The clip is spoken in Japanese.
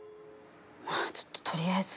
ちょっと、とりあえず。